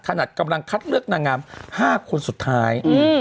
ขนาดกำลังคัดเลือกนางงาม๕คนสุดท้าย